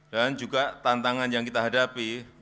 dan juga tantangan yang kita hadapi